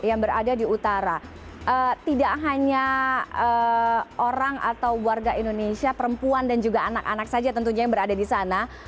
yang berada di utara tidak hanya orang atau warga indonesia perempuan dan juga anak anak saja tentunya yang berada di sana